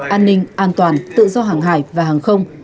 an ninh an toàn tự do hàng hải và hàng không